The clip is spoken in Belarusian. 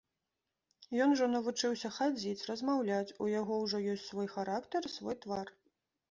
Ён ужо навучыўся хадзіць, размаўляць, у яго ўжо ёсць свой характар і свой твар.